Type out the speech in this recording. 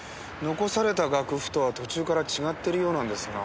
残された楽譜とは途中から違ってるようなんですが。